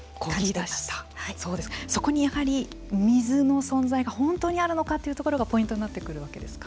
そこにやはり水の存在が本当にあるのかというところがポイントになってくるわけですか。